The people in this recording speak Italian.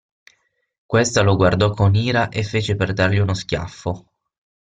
Questa lo guardò con ira e fece per dargli uno schiaffo.